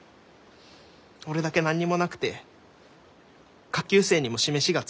俺だけ何にもなくて下級生にも示しがつかないし。